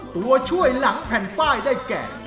ตัวช่วยหลังแผ่นป้ายได้แก่